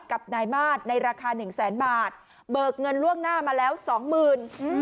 กับนายมาตรในราคาหนึ่งแสนบาทเบิกเงินล่วงหน้ามาแล้วสองหมื่น